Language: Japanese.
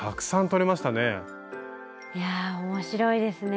いやあ面白いですね。